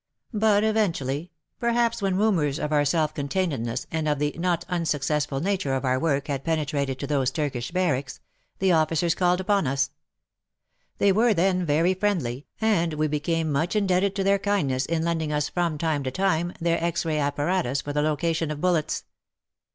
But eventually — perhaps when rumours of our self containedness and of the not unsuccessful nature of our work had penetrated to those Turkish Barracks — the officers called upon us. They were then very friendly, and we became much indebted to their kindness in lending us from time to time their X ray apparatus for the location of bullets.